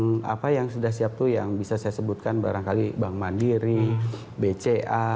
di beberapa bank bank bank apa yang sudah siap itu yang bisa saya sebutkan barangkali bank mandiri bca